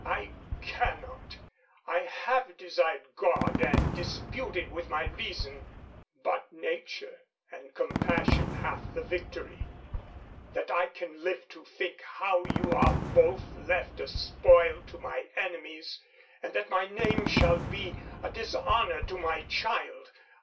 I cannot! I have desired God and disputed with my reason, but nature and compassion hath the victory. That I can live to think how you are both left a spoil to my enemies, and that my name shall be a dishonour to my child!